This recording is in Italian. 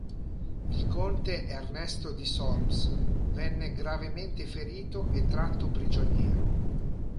Il conte Ernesto di Solms venne gravemente ferito e tratto prigioniero.